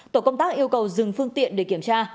tổ công tác yêu cầu dừng phương tiện để kiểm tra